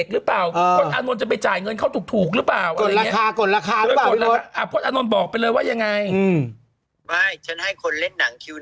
เขาก็เลยแอบมาอยู่ที่หอพังเจ็ดแด๋ว